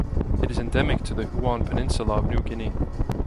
It is endemic to the Huon Peninsula of New Guinea.